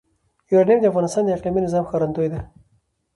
یورانیم د افغانستان د اقلیمي نظام ښکارندوی ده.